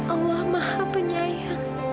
allah maha penyayang